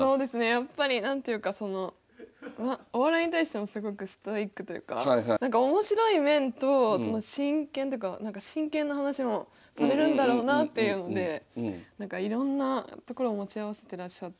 やっぱり何ていうかそのお笑いに対してもすごくストイックというかおもしろい面と真剣っていうか真剣な話もされるんだろうなっていうのでいろんなところを持ち合わせてらっしゃって。